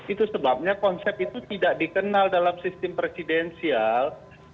itu sebabnya konsep itu tidak dikenal dalam sistem presidensial